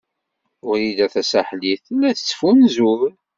Wrida Tasaḥlit tella tettfunzur.